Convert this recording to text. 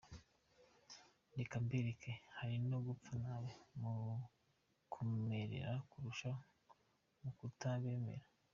Reka mbereke, hari no gupfa nabi, mu kubemera, kurusha mukutabemera.